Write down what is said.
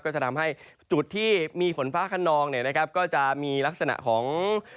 ก็จะทำให้จุดที่มีฝนฟ้าขนองก็จะมีลักษณะของ